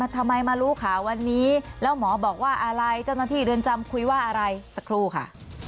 ทำไมมารู้ข่าววันนี้แล้วหมอบอกว่าอะไรเจ้าหน้าที่เรือนจำคุยว่าอะไรสักครู่ค่ะ